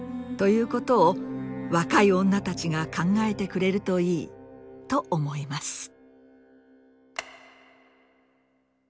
ということを若い女たちが考えてくれるといいと思います。